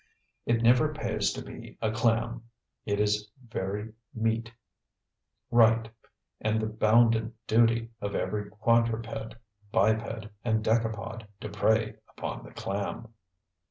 It never pays to be a clam. It is very meet, right, and the bounden duty of every quadruped, biped and decapod to prey upon the clam.